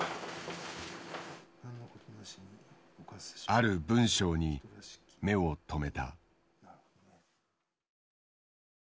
ある文章に目を留めた。